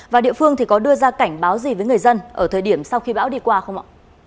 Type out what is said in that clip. và địa phương thì có đưa ra cảnh báo gì với người dân ở thời điểm sau khi bão đi qua không ạ